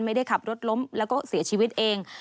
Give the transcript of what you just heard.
ไม่ได้ขับรถล้มแล้วก็เสียชีวิตเอง